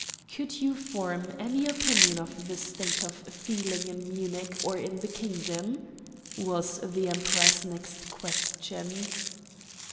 "Could you form any opinion of the state of feeling in Munich or in the kingdom?" was the Emperor's next question.